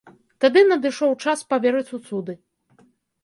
Тады надышоў час паверыць у цуды.